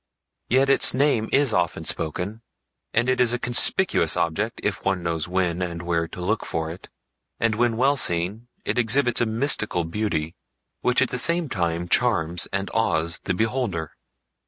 Yet its name is often spoken, and it is a conspicuous object if one knows when and where to look for it, and when well seen it exhibits a mystical beauty which at the same time charms and awes the beholder.